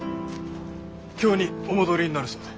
京にお戻りになるそうで。